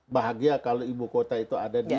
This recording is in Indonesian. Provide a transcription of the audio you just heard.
bahagia kalau ibu kota itu ada di